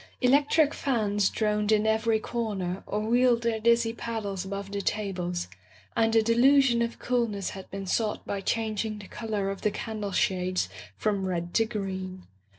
Electric fans droned in every corner or wheeled their dizzy paddles above the tables, and a delusion of coolness had been sought by changing the color of the candle shades from red to green.